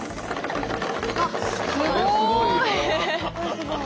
すごい。